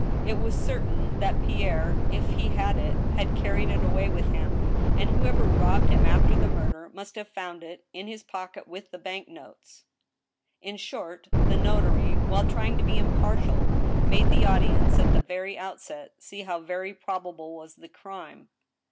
It was certain that Pierre, if he had it, had carried it away with him, and whoever robbed him after the murder must have found it in his pocket with the bank notes. In short, the notary, while trying to be impartial, made the audi ence, at the very outset, see how very probable was the crime.